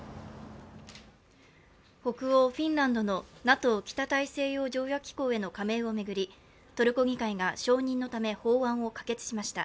北欧フィンランドのＮＡＴＯ＝北大西洋条約機構への加盟を巡りトルコ議会が、承認のため法案を可決しました。